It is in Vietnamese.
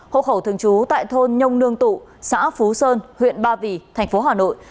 hộ khẩu thường trú tại thôn nhông nương tụ xã phú sơn huyện ba vì thành phố hà nội